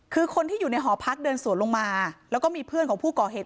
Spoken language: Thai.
คือคนที่อยู่ในหอพักเดินสวนลงมาแล้วก็มีเพื่อนของผู้ก่อเหตุ